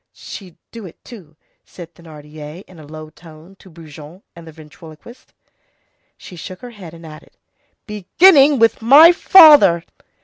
"She'd do it, too," said Thénardier in a low tone to Brujon and the ventriloquist. She shook her head and added:— "Beginning with my father!"